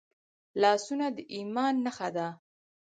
لاسونه د ایمان نښه ده